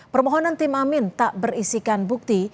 permohonan tim amin tak berisikan bukti